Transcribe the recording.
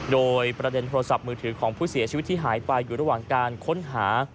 โดยประเด็นโทรศัพท์มือถือของผู้เสียชีวิตที่หายไปอยู่ระหว่างการค้นหา